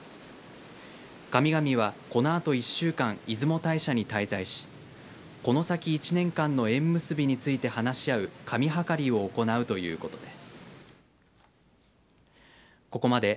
神々は、このあと１週間出雲大社に滞在しこの先１年間の縁結びについて話し合う、神議を行うということです。